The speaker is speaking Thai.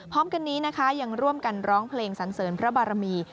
พร้อมกันนี้นะคะยังร่วมกันร้องเพลงสันเสริญพระบารมี